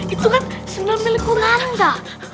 itu kan senil milikku nanda